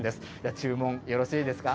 注文、よろしいですか？